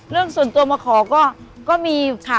เรื่องส่วนตัวมาขอก็มีค่ะ